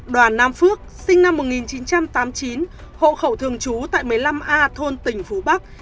đoàn nam phước sinh năm một nghìn chín trăm tám mươi chín hộ khẩu thường trú tại một mươi năm a thôn tỉnh phú bắc